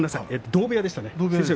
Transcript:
同部屋でしたね。